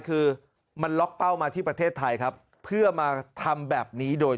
คือมันล็อกเป้ามาที่ประเทศไทยครับเพื่อมาทำแบบนี้โดย